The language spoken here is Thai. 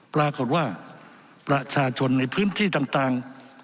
ปรากฏว่าประชาชนในพื้นที่ต่าง